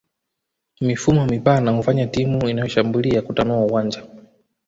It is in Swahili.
Mifumo mipana hufanya timu inayoshambulia kutanua uwanja